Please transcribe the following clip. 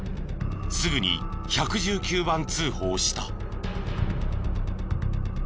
すぐに１１９番通報した。